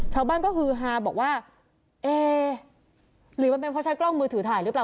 ชาวบ้านก็ฮือฮาบอกว่าเอ๊หรือมันเป็นเพราะใช้กล้องมือถือถ่ายหรือเปล่า